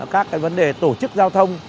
các cái vấn đề tổ chức giao thông